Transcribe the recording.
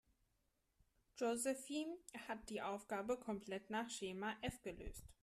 Josephine hat die Aufgabe komplett nach Schema F gelöst.